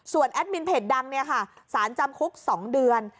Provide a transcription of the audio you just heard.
ส่วนแอดมินเพจดังศาลจำคุก๒เดือน